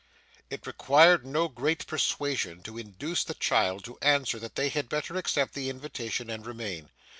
It required no great persuasion to induce the child to answer that they had better accept the invitation and remain.